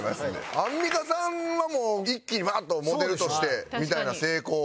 アンミカさんはもう一気にバーッとモデルとしてみたいな成功を。